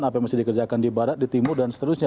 apa yang mesti dikerjakan di barat di timur dan seterusnya